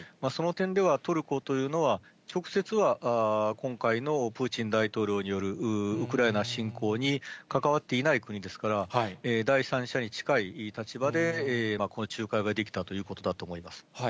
その点では、トルコというのは直接は今回のプーチン大統領によるウクライナ侵攻に関わっていない国ですから、第三者に近い立場で仲介ができたということだと思います。